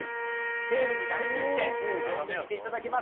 セールになりきって読んでみていただけますか？